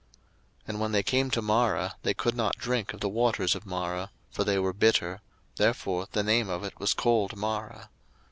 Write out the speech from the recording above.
02:015:023 And when they came to Marah, they could not drink of the waters of Marah, for they were bitter: therefore the name of it was called Marah.